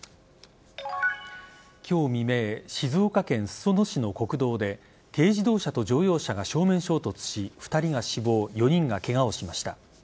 今日未明静岡県裾野市の国道で軽自動車と乗用車が正面衝突し２人が死亡４人がケガをしました。